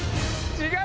違う？